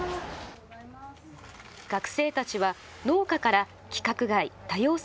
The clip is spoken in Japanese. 学生たちは農家から規格外・多様性